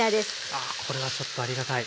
あこれはちょっとありがたい。